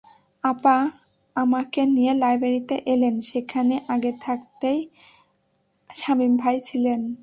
আপা আমাকে নিয়ে লাইব্রেরিতে এলেন সেখানে আগে থাকতেই শামীম ভাই ছিলেন।